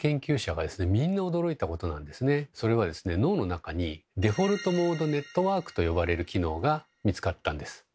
脳の中に「デフォルトモードネットワーク」と呼ばれる機能が見つかったんです。